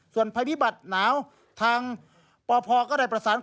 ส่วนภัยพิบัติหนาวทางปพก็ได้ประสาน